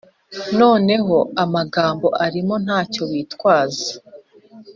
noneho amagambo arimo ntacyo witwaza